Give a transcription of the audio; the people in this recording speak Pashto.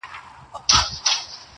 رنګ په رنګ به یې راوړله دلیلونه،